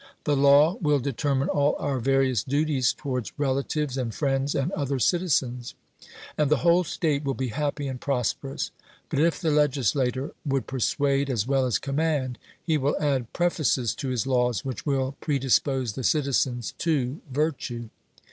The law will determine all our various duties towards relatives and friends and other citizens, and the whole state will be happy and prosperous. But if the legislator would persuade as well as command, he will add prefaces to his laws which will predispose the citizens to virtue.